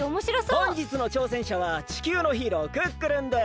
ほんじつのちょうせんしゃは地球のヒーロークックルンです。